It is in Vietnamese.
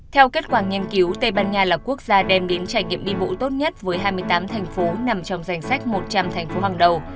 theo kết quả nghiên cứu tây ban nha là quốc gia đem đến trải nghiệm đi bộ tốt nhất với hai mươi tám thành phố nằm trong danh sách một trăm linh thành phố hàng đầu